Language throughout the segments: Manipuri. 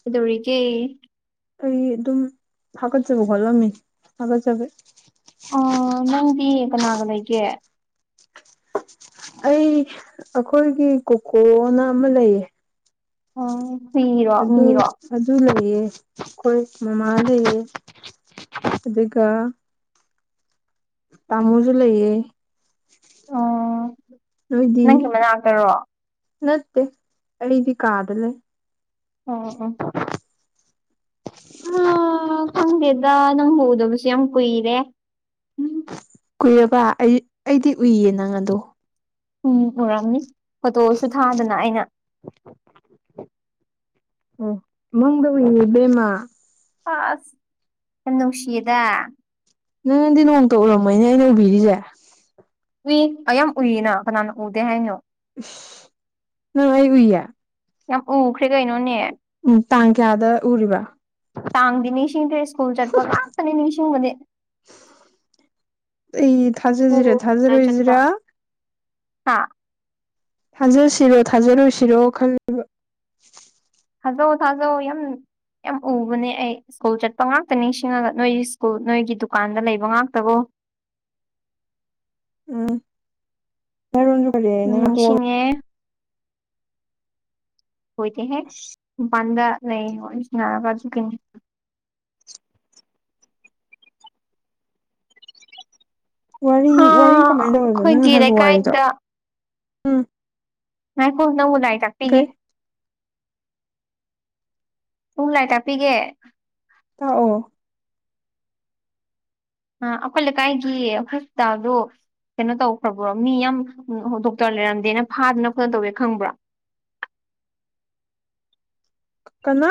ꯀꯩꯗꯧꯔꯤꯒꯦ ꯑꯩ ꯑꯗꯨꯝ ꯍꯥꯒꯖꯕ ꯍꯣꯠꯂꯝꯃꯤ ꯍꯥꯒꯖꯕꯤ ꯑꯥ ꯅꯪꯗꯤ ꯀꯅꯥꯒ ꯂꯩꯒꯦ ꯑꯩ ꯑꯈꯣꯏꯒꯤ ꯀꯨꯀꯣꯅ ꯑꯃ ꯂꯩꯌꯦ ꯑꯣ ꯍꯨꯏꯔꯣ ꯃꯤꯔꯣ ꯈꯣꯏ ꯃꯃꯥꯒꯤ ꯑꯗꯨꯒ ꯇꯃꯣꯖꯨ ꯂꯩꯌꯦ ꯑꯣ ꯅꯣꯏꯗꯤ ꯅꯪꯒꯤ ꯃꯅꯥꯛꯇꯔꯣ ꯅꯠꯇꯦ ꯑꯩꯗꯤ ꯀꯗꯂꯩ ꯑꯣ ꯑꯣ ꯑꯥ ꯈꯪꯗꯦꯗ ꯅꯪꯕꯨ ꯎꯗꯕꯖꯦ ꯌꯥꯝ ꯀꯨꯏꯔꯦ ꯀꯨꯏꯔꯕ ꯑꯩ ꯑꯩꯗꯤ ꯎꯏꯌꯦ ꯅꯪ ꯑꯗꯣ ꯎꯝ ꯎꯔꯝꯅꯤ ꯐꯣꯇꯣꯁꯨ ꯊꯥꯗꯅ ꯑꯩꯅ ꯑꯣ ꯃꯪꯗ ꯎꯏꯌꯦ ꯏꯕꯦꯝꯃ ꯑꯁ ꯌꯥꯝ ꯅꯨꯡꯁꯤꯗ ꯅꯪꯗꯤ ꯅꯣꯡꯃꯇ ꯎꯔꯝꯃꯣꯏꯅꯦ ꯑꯩꯅ ꯎꯕꯤꯔꯤꯖꯦ ꯎꯏ ꯌꯥꯝ ꯎꯏꯅ ꯀꯅꯥꯅ ꯎꯗꯦ ꯍꯥꯏꯅꯣ ꯏꯁ ꯅꯪ ꯑꯩ ꯎꯏꯌꯦ ꯌꯝ ꯎꯈ꯭ꯔꯦ ꯀꯩꯅꯣꯅꯦ ꯎꯝ ꯇꯥꯡ ꯀꯌꯥꯗ ꯎꯔꯤꯕ ꯇꯥꯡꯗꯤ ꯅꯤꯡꯁꯤꯡꯗ꯭ꯔꯦ ꯁ꯭ꯀꯨꯜ ꯆꯠꯄ ꯉꯛꯇꯅꯤ ꯅꯤꯡꯁꯤꯡꯕꯗꯤ ꯑꯩ ꯊꯖꯁꯤꯔꯦ ꯁ꯭ꯀꯨꯜꯗ ꯆꯠꯄ ꯊꯖꯔꯣꯏꯖꯤꯔ ꯍꯥ ꯊꯖꯁꯤꯔꯣ ꯊꯖꯔꯣꯏꯁꯤꯔꯣ ꯈꯜꯂꯤꯕ ꯊꯖꯧ ꯊꯖꯧ ꯌꯥꯝ ꯌꯥꯝ ꯎꯕꯅꯦ ꯑꯩ ꯁ꯭ꯀꯨꯜ ꯆꯠꯄ ꯉꯥꯛꯇ ꯅꯤꯡꯁꯤꯡꯉꯒ ꯅꯣꯏ ꯁ꯭ꯀꯨꯜ ꯅꯣꯏꯒꯤ ꯗꯨꯀꯥꯟꯗ ꯂꯩꯕ ꯉꯥꯛꯇꯕꯨ [inaudible] ꯎꯝ ꯅꯔꯣꯟꯁꯨ ꯀꯔꯤ ꯎꯝ ꯅꯪ ꯍꯥꯠꯇꯣꯛꯑꯒ ꯅꯤꯡꯁꯤꯡꯉꯦ ꯍꯣꯏꯗ ꯍꯦ ꯃꯄꯥꯟꯗ ꯂꯩꯌꯦ ꯋꯥꯔꯤ ꯁꯅꯔꯒ ꯗꯨꯀꯤꯟ ꯋꯥꯔꯤ ꯍꯥ ꯋꯥꯔꯤ ꯀꯃꯥꯏꯟ ꯇꯧꯔꯒꯦ ꯅꯪꯅ ꯑꯩꯈꯣꯏꯒꯤ ꯍꯥꯏꯕ ꯋꯥꯔꯤꯗꯣ ꯂꯩꯀꯥꯏꯗ ꯎꯝ ꯉꯏꯈꯣ ꯅꯪꯕꯨ ꯂꯥꯏꯔꯤꯛ ꯇꯥꯛꯄꯤꯒꯦ ꯀꯩ ꯄꯨꯡ ꯂꯥꯏ ꯇꯥꯛꯄꯤꯒꯦ ꯇꯛꯑꯣ ꯑꯥ ꯑꯈꯣꯏ ꯂꯩꯀꯥꯏꯒꯤ ꯍꯣꯁꯄꯤꯇꯜꯗꯣ ꯀꯩꯅꯣ ꯇꯧꯈ꯭ꯔꯕ꯭ꯔꯣ ꯃꯤ ꯌꯥꯝ ꯗꯣꯛꯇꯔ ꯂꯩꯔꯝꯗꯦꯅ ꯐꯥꯗꯅ ꯈꯣꯠꯇꯅ ꯇꯧꯋꯦ ꯈꯪꯕ꯭ꯔ [inaudible] ꯀꯅꯥ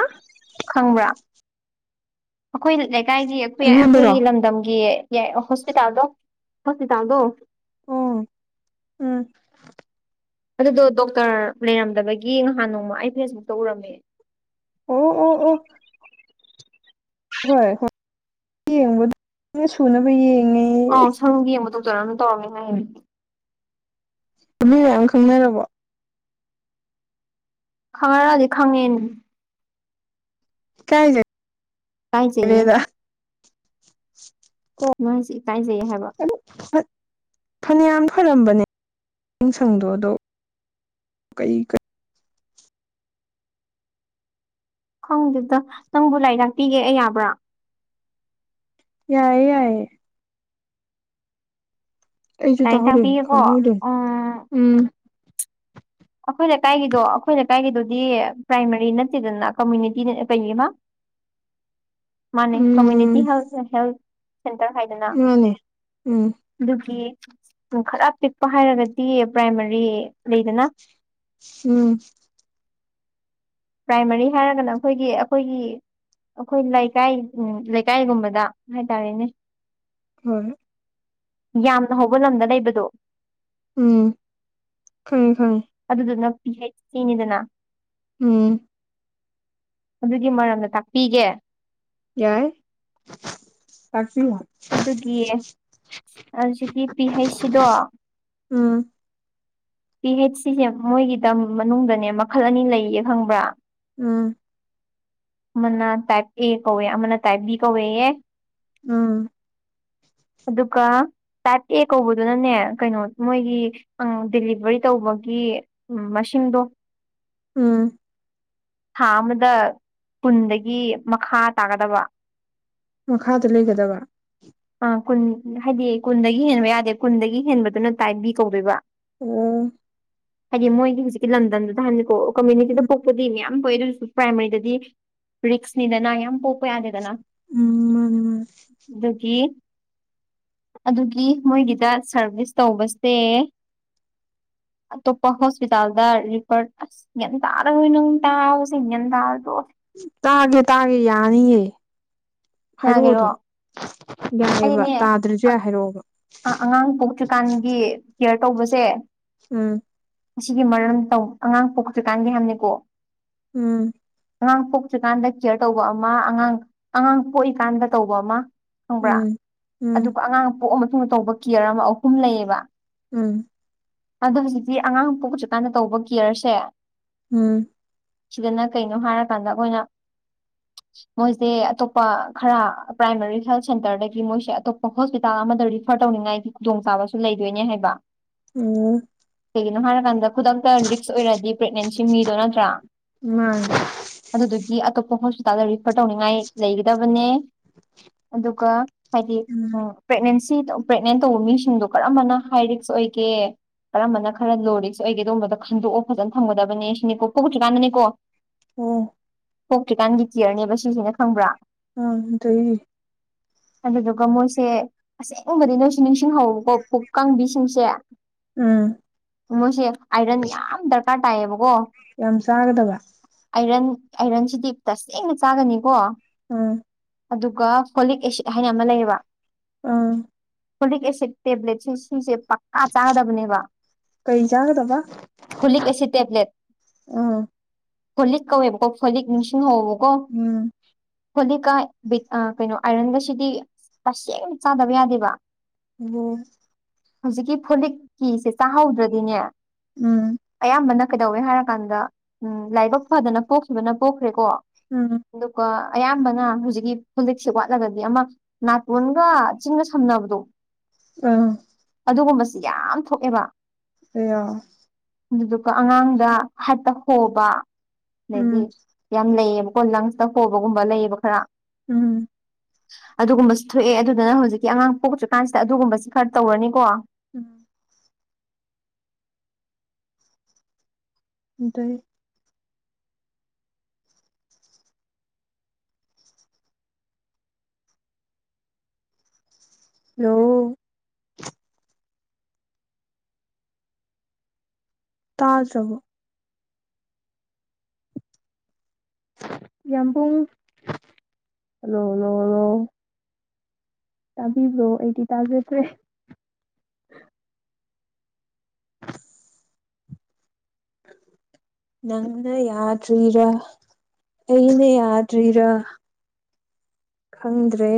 ꯈꯪꯕ꯭ꯔꯥ ꯑꯈꯣꯏ ꯂꯩꯀꯥꯏꯒꯤ ꯑꯈꯣꯏ ꯑꯈꯣꯏꯒꯤ ꯑꯩꯉꯣꯟꯗꯔꯣ ꯂꯝꯗꯝꯒꯤ ꯀꯦ ꯍꯣꯁꯄꯤꯇꯥꯜꯗꯣ ꯍꯣꯁꯄꯤꯇꯥꯜꯗꯣ ꯑꯣ ꯎꯝ ꯑꯗꯨꯗꯣ ꯗꯣꯛꯇꯔ ꯂꯩꯔꯝꯗꯕꯒꯤ ꯉꯍꯥꯟ ꯅꯣꯡꯃ ꯑꯩ ꯐꯦꯁꯕꯨꯛꯇ ꯎꯔꯝꯃꯦ ꯑꯣ ꯑꯣ ꯑꯣ ꯍꯣꯏ ꯍꯣꯏ ꯌꯦꯡꯕꯗꯤ ꯁꯨꯅꯕ ꯌꯦꯡ ꯑꯥꯎ ꯁꯔꯨꯒꯤ ꯌꯦꯡꯕ ꯗꯣꯛꯇꯔ ꯑꯃꯅ ꯇꯧꯔꯝꯃꯦ ꯍꯥꯏ ꯅꯨꯄꯤ ꯃꯌꯥꯝ ꯈꯪꯅꯔꯕꯣ ꯈꯪꯅꯔꯗꯤ ꯈꯪꯉꯤꯟ ꯏꯀꯥꯏꯖꯧ ꯏꯀꯥꯏꯖꯩꯌꯦ [inaudible] ꯅꯣꯏ ꯁꯦ ꯏꯀꯥꯏꯖꯩꯌꯦ ꯍꯥꯏꯕ ꯐꯅꯌꯥꯝ ꯐꯔꯝꯕꯅꯦꯅꯨꯡꯁꯪꯗꯣ ꯑꯗꯣ ꯀꯩ ꯈꯪꯗꯦꯗ ꯅꯪꯕꯨ ꯂꯥꯏ ꯇꯥꯛꯄꯤꯒꯦ ꯑꯩ ꯌꯥꯕ꯭ꯔꯥ ꯌꯥꯏꯌꯦ ꯌꯥꯏꯌꯦ ꯑꯩꯁꯨ ꯂꯥꯏꯔꯤꯛ ꯇꯥꯍꯧꯔꯦ ꯇꯥꯛꯄꯤꯒꯦꯀꯣ ꯈꯪꯍꯧꯗꯦ ꯎꯝ ꯑꯩꯈꯣꯏꯅ ꯂꯩꯀꯥꯏꯒꯤꯗꯣ ꯑꯩꯈꯣꯏꯅ ꯂꯩꯀꯥꯏꯒꯤꯗꯣ ꯄ꯭ꯔꯥꯏꯃꯔꯤ ꯅꯠꯇꯦꯗꯅ ꯀꯝꯃꯨꯅꯤꯇꯤ ꯀꯩꯃ ꯃꯥꯟꯅꯦ ꯀꯃꯨꯅꯤꯇꯤ ꯎꯝ ꯍꯦꯜ ꯍꯦꯜ ꯁꯦꯟꯇꯔ ꯍꯥꯏꯗꯅ ꯃꯥꯅꯦ ꯎꯝ ꯑꯗꯨꯒꯤ ꯎꯝ ꯈꯔ ꯄꯤꯛꯄ ꯍꯥꯏꯔꯒꯗꯤ ꯄ꯭ꯔꯥꯏꯃꯥꯔꯤ ꯂꯩꯗꯅ ꯎꯝ ꯄ꯭ꯔꯥꯏꯃꯥꯔꯤ ꯍꯥꯏꯔꯒꯅ ꯑꯩꯈꯣꯏꯒꯤ ꯑꯩꯈꯣꯏꯒꯤ ꯑꯩꯈꯣꯏ ꯂꯩꯀꯥꯏ ꯎꯝ ꯂꯩꯀꯥꯏꯒꯨꯝꯕꯗ ꯍꯥꯏꯇꯥꯔꯦꯅꯦ ꯍꯣꯏ ꯌꯥꯝꯅ ꯍꯧꯕ ꯂꯝꯗ ꯂꯩꯕꯗꯣ ꯎꯝ ꯈꯪꯉꯦ ꯈꯪꯉꯦ [unintelligible] ꯁꯤꯅꯤꯗꯅ ꯎꯝ ꯑꯗꯨꯒꯤ ꯃꯔꯝꯗ ꯇꯥꯛꯄꯤꯒꯦ ꯌꯥꯏ ꯇꯥꯛ ꯑꯗꯨꯒꯤ ꯍꯧꯖꯤꯛꯀꯤ ꯄꯤ ꯍꯩꯆ ꯁꯤꯗꯣ ꯎꯝ ꯄꯤ ꯍꯩꯆ ꯁꯤꯁꯦ ꯃꯣꯏꯒꯤꯗ ꯃꯅꯨꯡꯗꯅꯦ ꯃꯈꯜ ꯑꯅꯤ ꯂꯩꯌꯦ ꯈꯪꯕ꯭ꯔꯥ ꯎꯝ ꯃꯅ ꯇꯥꯏꯞ ꯑꯦ ꯀꯧꯋ ꯑꯃꯅ ꯇꯥꯏꯞ ꯕꯤ ꯀꯧ ꯌꯥ ꯑꯝ ꯑꯗꯨꯒ ꯇꯥꯏꯞ ꯑꯦ ꯀꯧꯕꯗꯨꯅꯅꯦ ꯀꯩꯅꯣ ꯃꯣꯏꯒꯤ ꯗꯦꯂꯤꯚꯔꯤ ꯇꯧꯕꯒꯤ ꯃꯁꯤꯡꯗꯣ ꯎꯝ ꯊꯥ ꯑꯃꯗ ꯀꯨꯟꯗꯒꯤ ꯃꯈꯥ ꯇꯥꯒꯗꯕ ꯃꯈꯥꯗ ꯂꯩꯒꯗꯕ ꯑꯥ ꯀꯨꯟ ꯍꯥꯏꯗꯤ ꯀꯨꯟꯗꯒꯤ ꯍꯦꯟꯕ ꯌꯥꯗꯦ ꯀꯨꯟꯗꯒꯤ ꯍꯦꯟꯕꯗꯨꯅ ꯇꯥꯏꯞ ꯕꯤ ꯀꯧꯗꯣꯏꯕ ꯎꯝ ꯍꯥꯏꯗꯤ ꯃꯣꯏꯒꯤ ꯍꯧꯖꯤꯛꯀꯤ ꯂꯝꯗꯝꯗꯨꯗ ꯍꯥꯏꯕꯅꯦꯀꯣ ꯀꯝꯃ꯭ꯌꯨꯅꯤꯇꯤꯗ ꯎꯝ ꯄꯣꯛꯄꯗꯤ ꯃꯌꯥꯝ ꯄꯣꯛꯑꯦ ꯑꯗꯨ ꯑꯣꯏꯗ ꯄ꯭ꯔꯥꯏꯃꯥꯔꯤꯗꯗꯤ ꯔꯤꯛꯁꯅꯤꯗꯅ ꯌꯥꯝ ꯄꯣꯛꯄ ꯌꯥꯗꯦꯗꯅ ꯎꯝ ꯃꯥꯅꯦ ꯃꯥꯅꯦ ꯑꯗꯨꯗꯒꯤ ꯑꯗꯨꯒꯤ ꯃꯣꯏꯒꯤꯗ ꯁꯥꯔꯚꯤꯁ ꯇꯧꯕꯁꯦ ꯑꯇꯣꯞꯄ ꯍꯣꯁꯄꯤꯇꯥꯜꯗ ꯔꯤꯐꯔ ꯑꯁ ꯌꯦꯒꯌꯥꯟ ꯇꯥꯔꯣꯏ ꯅꯪ ꯇꯥꯕꯁꯦ ꯒꯌꯥꯟ ꯇꯥꯔꯔꯣꯏ ꯇꯣꯛꯑꯣ ꯇꯥꯒꯦ ꯇꯥꯒꯦ ꯌꯥꯅꯤꯌꯦ ꯍꯥꯏꯔꯛꯑꯣ ꯌꯥꯒꯦꯔꯣ ꯑꯗꯨꯝ ꯌꯥꯏꯑꯕ ꯍꯥꯏꯗꯤꯅꯦ ꯇꯥꯗ꯭ꯔꯁꯨ ꯌꯥꯏ ꯍꯥꯏꯔꯛꯑꯣꯕ ꯑꯉꯥꯡ ꯄꯣꯛꯇ꯭ꯔꯤꯀꯥꯟꯒꯤ ꯀꯤꯌꯔ ꯇꯧꯕꯁꯦ ꯎꯝ ꯑꯁꯤꯒꯤ ꯃꯔꯝ ꯇꯧ ꯑꯉꯥꯡ ꯄꯣꯛꯇ꯭ꯔꯤꯀꯥꯟꯒꯤ ꯍꯥꯏꯕꯅꯤꯀꯣ INAUDIBLE ꯑꯉꯥꯡ ꯄꯣꯛꯇ꯭ꯔꯤꯀꯥꯟꯗ ꯀꯦꯌꯔ ꯇꯧꯕ ꯑꯃ ꯑꯉꯥꯡ ꯑꯉꯥꯡ ꯄꯣꯛꯏꯀꯥꯟꯗ ꯇꯧꯕ ꯑꯃ ꯈꯪꯕ꯭ꯔꯥ ꯎꯝ ꯎꯝ ꯑꯗꯨꯒ ꯑꯉꯥꯡ ꯄꯣꯛꯑ ꯃꯇꯨꯡꯗ ꯇꯧꯕ ꯀꯤꯌꯔ ꯑꯃ ꯑꯍꯨꯝ ꯂꯩꯌꯦꯕ ꯎꯝ ꯑꯗꯣ ꯍꯧꯖꯤꯛꯇꯤ ꯑꯉꯥꯡ ꯄꯣꯛ ꯍꯧꯖꯤꯛꯀꯥꯟꯗ ꯇꯧꯕ ꯀꯦꯌꯔꯁꯦ ꯎꯝ ꯁꯤꯗꯅ ꯀꯩꯅꯣ ꯍꯥꯏꯔꯀꯥꯟꯗ ꯈꯣꯏꯅ ꯃꯣꯏꯖꯦ ꯑꯇꯣꯞꯄ ꯈꯔ ꯄ꯭ꯔꯥꯏꯃꯥꯔꯤ ꯍꯦꯜ ꯁꯦꯟꯇꯔꯗꯒꯤ ꯃꯣꯏꯁꯦ ꯑꯇꯣꯞꯄ ꯍꯣꯁꯄꯤꯇꯥꯜ ꯑꯃꯗ ꯔꯤ ꯔꯤꯐꯔ ꯇꯧꯅꯤꯡꯉꯥꯏꯒꯤ ꯈꯨꯗꯣꯡꯆꯥꯥꯕꯁꯨ ꯂꯩꯗꯣꯏꯅꯦ ꯍꯥꯏꯕ INAUDIBLE ꯀꯔꯤꯒꯤꯅꯣ ꯍꯥꯌꯔꯀꯥꯟꯗ ꯈꯨꯗꯛꯇ ꯔꯤꯛꯁ ꯑꯣꯏꯔꯗꯤ ꯄ꯭ꯔꯦꯒꯅꯦꯟꯁꯤ ꯃꯤꯗꯣ ꯅꯠꯇ꯭ꯔꯥ ꯃꯥꯅꯦ ꯑꯗꯨꯗꯨꯒꯤ ꯑꯇꯣꯞ UNINTELLIGIBLE ꯔꯤꯐꯔ ꯇꯧꯅꯤꯡꯉꯥꯏ ꯂꯩꯒꯗꯕꯅꯦ ꯑꯗꯨꯒꯥ ꯍꯥꯏꯗꯤ ꯎꯝ ꯄ꯭ꯔꯦꯒꯅꯦꯟꯁꯤ ꯄ꯭ꯔꯦꯒꯅꯦꯟ ꯇꯧꯕ ꯃꯤꯁꯤꯡꯗꯣ ꯀꯔꯝꯕꯅ ꯍꯥꯏꯔꯤꯛꯁ ꯑꯣꯏꯒꯦ ꯀꯔꯝꯕꯅ ꯈꯔ ꯂꯨꯔꯤꯁꯦ ꯑꯩꯒꯤꯗꯣ ꯈꯟꯗꯣꯛꯑꯣ ꯐꯖꯅ ꯊꯝꯒꯗꯕꯅꯦ ꯁꯤꯅꯤꯀꯣ ꯄꯨꯣꯛꯇ꯭ꯔꯤꯀꯥꯟꯗꯅꯤꯀꯣ INAUDIBLE ꯊꯣꯛꯣꯛꯈ꯭ꯔꯤꯀꯥꯟꯒꯤ ꯀꯤꯌꯔꯅꯦꯕ ꯁꯤꯖꯤꯅ ꯈꯪꯕ꯭ꯔꯥ UNINTELLIGIBLE ꯑꯗꯨꯗꯨꯒ ꯃꯣꯏꯁꯦ ꯑꯁꯦꯡꯕꯗꯤ ꯅꯣꯏꯁꯨ ꯅꯤꯡꯁꯤꯡꯍꯧꯕꯀꯣ ꯄꯨꯛ ꯀꯪꯕꯤꯁꯤꯡꯁꯦ ꯎꯝ ꯃꯣꯏꯁꯦ ꯑꯥꯏꯔꯟ ꯌꯥꯝ ꯗꯔꯀꯥꯔ ꯇꯥꯏꯌꯦꯕꯀꯣ ꯌꯥꯝ ꯆꯥꯒꯗꯕ ꯑꯥꯏꯔꯟ ꯑꯥꯏꯔꯟꯁꯤꯗꯤ ꯇꯥꯁꯦꯡꯅ ꯆꯥꯒꯅꯤꯀꯣ ꯑꯪ ꯑꯗꯨꯒ ꯐꯣꯂꯤꯛ ꯑꯦꯁꯤꯠ ꯍꯥꯏꯅ ꯑꯃ ꯂꯩꯌꯦꯕ ꯑꯥꯑꯪ ꯐꯣꯂꯤꯛ ꯑꯦꯁꯤꯠ ꯇꯦꯕ꯭ꯂꯦꯠꯁꯤꯡꯁꯦ ꯄꯛꯆꯥ- ꯆꯥꯒꯗꯕꯅꯦꯕ ꯀꯩ ꯆꯥꯒꯗꯕ ꯐꯣꯂꯤꯛ ꯑꯦꯁꯤꯠ ꯇꯦꯕ꯭ꯂꯦꯠ ꯎꯝ ꯐꯣꯂꯤꯛ ꯀꯧꯌꯦꯕꯀꯣ ꯐꯣꯂꯤꯛ ꯅꯤꯡꯁꯤꯡ ꯍꯧ ꯎꯝ ꯐꯣꯂꯤꯛꯀ ꯕꯤ ꯑꯥ ꯀꯩꯅꯣ ꯑꯥꯏꯔꯟꯒꯁꯤꯗꯤ ꯇꯥꯁꯦꯡꯅ ꯆꯥꯗꯕ ꯌꯥꯗꯦꯕ ꯋꯣ ꯍꯧꯖꯤꯛꯀꯤ ꯐꯣꯂꯤꯛꯀꯤꯖꯦ ꯆꯥꯍꯧꯗ꯭ꯔꯗꯤꯅꯦ ꯎꯝ ꯑꯌꯥꯝꯕꯅ ꯀꯩꯗꯧꯋꯦꯔꯦ ꯍꯥꯏꯔꯀꯥꯟꯗ ꯎꯝ ꯂꯥꯏꯕꯛ ꯐꯗꯅ ꯄꯣꯛꯈꯤꯕꯅ ꯄꯣꯛꯈ꯭ꯔꯦꯀꯣ ꯎꯝ ꯑꯗꯨꯒꯥ ꯑꯌꯥꯝꯕꯅ ꯍꯧꯖꯤꯛꯀꯤ ꯐꯣꯂꯤꯛꯁꯦ ꯋꯥꯠꯂꯒꯗꯤ ꯑꯃ ꯅꯥꯇꯣꯟꯒ ꯆꯤꯟꯒ ꯁꯝꯅꯕꯗꯣ INAUDIBLE ꯗꯨꯒꯨꯝꯕꯁꯤ ꯌꯥꯝ ꯊꯣꯛꯑꯦꯕ ꯑꯦꯌꯥ ꯑꯗꯨꯗꯨꯒ ꯑꯉꯥꯡꯗ ꯍꯥꯔꯠꯇ ꯍꯣꯕ ꯑꯗꯩꯒꯤ ꯎꯝ ꯌꯥꯝ ꯂꯩꯌꯦꯕ ꯂꯪꯁꯇ ꯍꯣꯕꯒꯨꯝꯕ ꯂꯩꯌꯦꯕ ꯈꯔ INAUDIBLE ꯑꯗꯨꯒꯨꯝꯕꯁꯨ ꯊꯣꯛꯑꯦ ꯑꯗꯨꯗꯨꯅ ꯍꯧꯖꯤꯛꯀꯤ ꯑꯉꯥꯡ ꯄꯣꯛꯇ꯭ꯔꯤꯀꯥꯟꯁꯤꯗ ꯑꯗꯨꯒꯨꯝꯕꯁꯤ ꯈꯔ ꯇꯧꯔꯅꯤꯀꯣ ꯎꯝ ꯗꯩ ꯍꯜꯂꯣ ꯇꯥꯗꯔꯕꯣ ꯌꯥꯝ ꯄꯨꯡ ꯍꯂꯣꯂꯣꯂꯣ ꯇꯕꯤꯕ꯭ꯔꯣ ꯑꯩꯗꯤ ꯇꯥꯖꯗ꯭ꯔꯦ [inaudible] ꯅꯪꯅ ꯌꯥꯗ꯭ꯔꯤꯔꯥ ꯑꯩꯅ ꯌꯥꯗ꯭ꯔꯤꯔꯥ ꯈꯪꯗ꯭ꯔꯦ